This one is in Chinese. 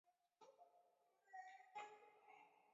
期外收缩包括心房期外收缩及。